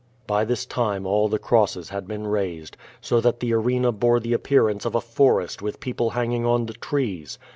By this time all the crosses had been raised, so that the arena bore the appearance of a forest with people hanging on the trees.